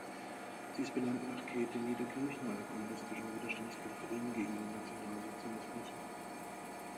Sie ist benannt nach Käthe Niederkirchner, einer kommunistischen Widerstandskämpferin gegen den Nationalsozialismus.